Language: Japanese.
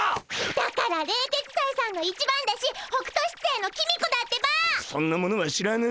だから冷徹斎さんの一番弟子北斗七星の公子だってば！そんな者は知らぬ。